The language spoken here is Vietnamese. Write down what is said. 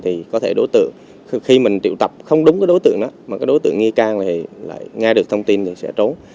thì có thể đối tượng khi mình triệu tập không đúng cái đối tượng đó mà cái đối tượng nghi can này lại nghe được thông tin thì sẽ trốn